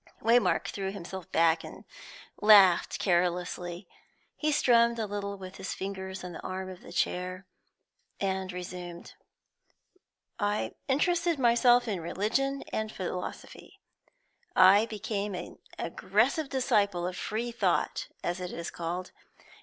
Waymark threw himself back and laughed carelessly. He strummed a little with his fingers on the arm of the chair, and resumed: "I interested myself in religion and philosophy; I became an aggressive disciple of free thought, as it is called.